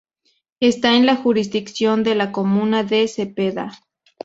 Está en la jurisdicción de la comuna de Cepeda.